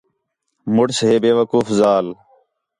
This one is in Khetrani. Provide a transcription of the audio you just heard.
مُݨس ہے بیوقوف ذال